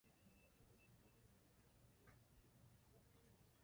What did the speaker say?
Umusiganwa ku ipikipiki yegamiye igare rye